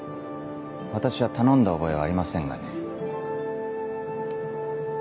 私は頼んだ覚えはありませんがね。